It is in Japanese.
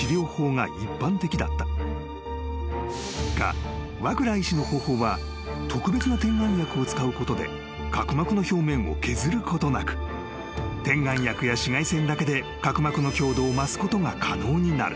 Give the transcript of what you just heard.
［がワクラー医師の方法は特別な点眼薬を使うことで角膜の表面を削ることなく点眼薬や紫外線だけで角膜の強度を増すことが可能になる］